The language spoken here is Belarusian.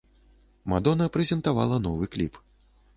Мадонна прэзентавала новы кліп.